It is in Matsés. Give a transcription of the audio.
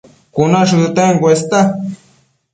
Cuna shëcten cuesta